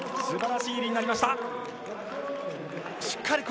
素晴らしい入りになりました。